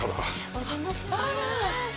お邪魔します。